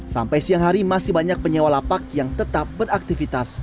sampai siang hari masih banyak penyewa lapak yang tetap beraktivitas